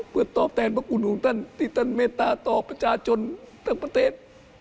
เพื่อตอบแทนพระคุณของท่านที่ท่านเมตตาต่อประชาชนทั้งประเทศ